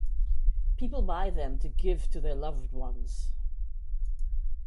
People buy them to give to their loved ones.